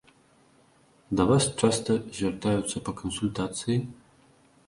Да вас часта звяртаюцца па кансультацыі?